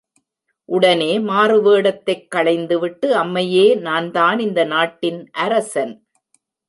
உடனே, மாறுவேடத்தைக் களைந்துவிட்டு, அம்மையே நான்தான் இந்த நாட்டின் அரசன்!